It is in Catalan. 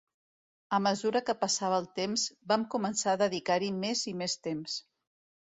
A mesura que passava el temps, vam començar a dedicar-hi més i més temps.